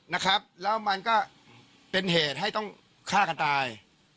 นะครับแล้วมันก็เป็นเหตุให้ต้องฆ่ากันตาย